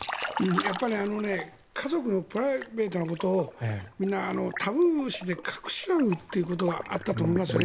やっぱり家族のプライベートなことをみんなタブー視で隠しちゃうということがあったと思いますね。